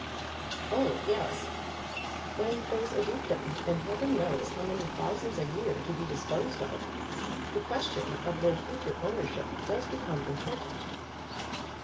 "Oh, yes! When there's a dukedom and heaven knows how many thousands a year to be disposed of, the question of their future ownership does become important."